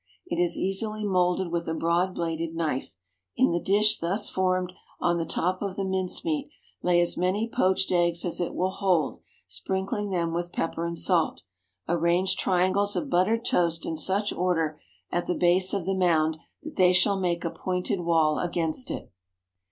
It is easily moulded with a broad bladed knife. In the dish thus formed, on the top of the mince meat, lay as many poached eggs as it will hold, sprinkling them with pepper and salt. Arrange triangles of buttered toast in such order, at the base of the mound, that they shall make a pointed wall against it.